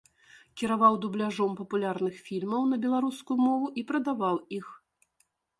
Кіраваў дубляжом папулярных фільмаў на беларускую мову і прадаваў іх.